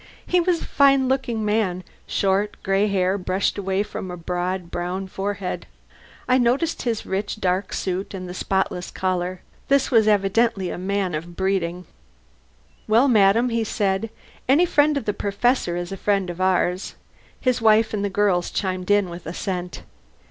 He was a fine looking man short, gray hair brushed away from a broad, brown forehead. I noticed his rich, dark suit and the spotless collar. This was a man of breeding, evidently. "Well, Madam," he said, "any friend of the Professor is a friend of ours." (His wife and the girls chimed in with assent.)